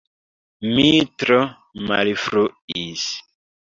Mi tro malfruis!